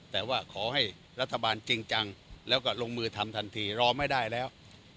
แต่ว่าขอให้รัฐบาลจริงจังแล้วก็ลงมือทำทันทีรอไม่ได้แล้ว